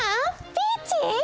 ピーチー！